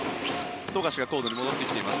富樫がコートに戻ってきています。